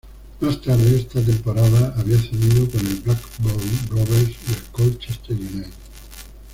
Más tarde esa temporada había cedido con el Blackburn Rovers y el Colchester United.